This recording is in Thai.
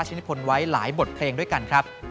ช่างมีตัวจริงก็ยิ่งกว่า